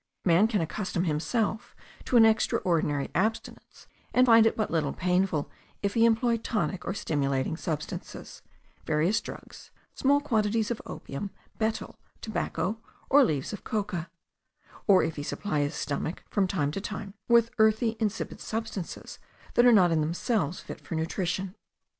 Man can accustom himself to an extraordinary abstinence and find it but little painful if he employ tonic or stimulating substances (various drugs, small quantities of opium, betel, tobacco, or leaves of coca); or if he supply his stomach, from time to time, with earthy insipid substances that are not in themselves fit for nutrition.